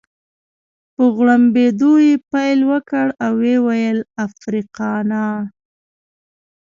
په غړمبېدو يې پیل وکړ او ويې ویل: افریقانا.